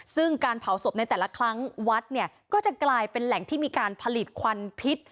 ซึ่งการเผาศพในแต่ละครั้งวัดเนี่ยก็จะกลายเป็นแหล่งที่มีการผลิตควันพิษ